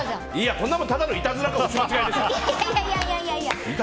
こんなもん、ただのいたずらか押し間違いでしょ。